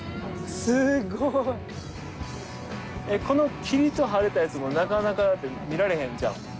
この霧と晴れたやつもなかなか見られへんちゃうん？